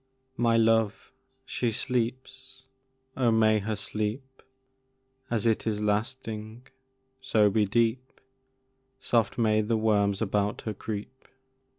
My love, she sleeps! Oh, may her sleep, As it is lasting, so be deep; Soft may the worms about her creep!